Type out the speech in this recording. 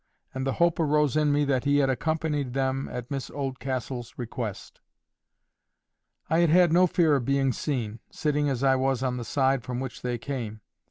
And the hope arose in me that he had accompanied them at Miss Oldcastle's request. I had had no fear of being seen, sitting as I was on the side from which they came.